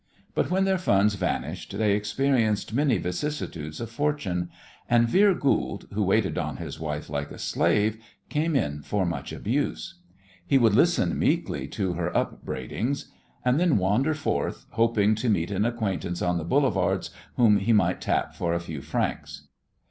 But when their funds vanished they experienced many vicissitudes of fortune, and Vere Goold, who waited on his wife like a slave, came in for much abuse. He would listen meekly to her upbraidings, and then wander forth, hoping to meet an acquaintance on the boulevards whom he might "tap" for a few francs.